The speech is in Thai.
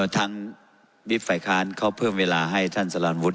ทางวิทย์ฝ่ายค้านเขาเพิ่มเวลาให้ท่านสรรพุทธ